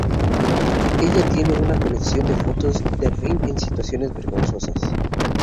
Ella tiene una colección de fotos de Rin en situaciones vergonzosas.